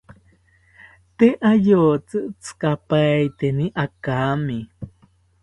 Tee ayotzi tzikapaeteni akami